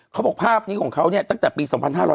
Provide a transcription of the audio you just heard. เขาบอกภาพนี้ของเขาเนี่ยตั้งแต่ปี๒๕๕๙